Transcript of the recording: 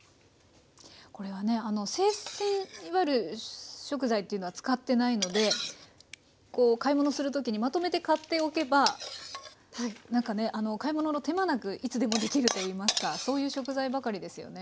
これはね生鮮いわゆる食材っていうのは使ってないので買い物するときにまとめて買っておけば買い物の手間なくいつでもできるといいますかそういう食材ばかりですよね。